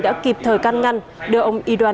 đã kịp thời căn ngăn đưa ông y doan